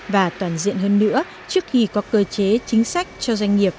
và toàn diện hơn nữa trước khi có cơ chế chính sách cho doanh nghiệp